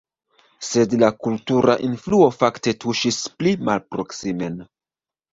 Sed la kultura influo fakte tuŝis pli malproksimen.